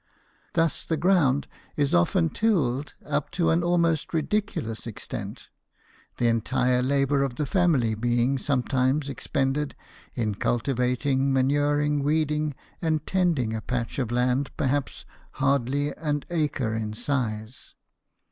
Thus the ground is often tilled up to an almost ridiculous extent, the entire labour of the family being sometimes expended in cultivating, manuring, weeding, and tending a patch of land perhaps hardly an acre in size.